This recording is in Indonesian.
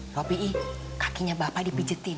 tapi iya kakinya bapak dipijetin